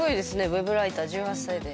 Ｗｅｂライター１８歳で。